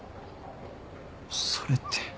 それって。